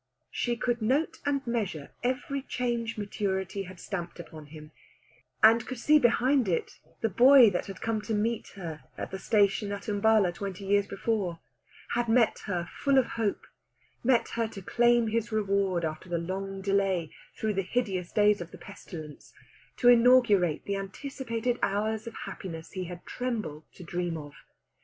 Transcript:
She could note and measure every change maturity had stamped upon him, and could see behind it the boy that had come to meet her at the station at Umballa twenty years before had met her full of hope, met her to claim his reward after the long delay through the hideous days of the pestilence, to inaugurate the anticipated hours of happiness he had trembled to dream of.